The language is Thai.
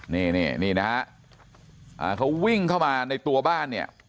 นี่นี่นี่นะฮะเขาวิ่งเข้ามาในตัวบ้าน